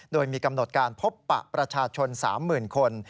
โดยมีกำหนดการพบปะประชาชน๓๐๐๐คน